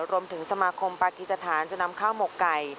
รวมถึงสมาคมปากิจฐานจะนำข้าวหมกไก่